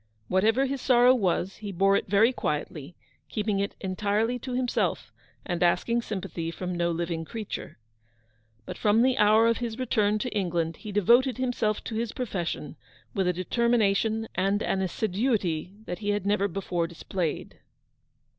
Whatever his sorrow was, he bore it very quietly, keeping it entirely to himself, and asking sympathy from no living creature. But from the hour of his return to England, he de voted himself to his profession with a determina tion and an assiduity that he had never before displayed.